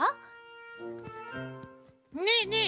ねえねえ